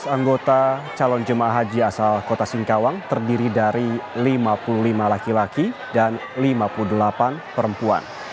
tiga ratus anggota calon jemaah haji asal kota singkawang terdiri dari lima puluh lima laki laki dan lima puluh delapan perempuan